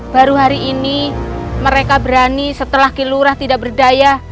baru hari ini mereka berani setelah kilurah tidak berdaya